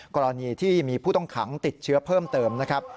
กรณีที่มีผู้ต้องขังติดเชื้อเพิ่มเติมนะครับ